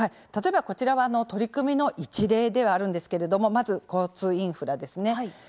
例えばこちらは取り組みの一例ではあるんですがまず交通インフラですね。